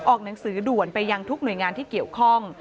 หนังสือด่วนไปยังทุกหน่วยงานที่เกี่ยวข้อง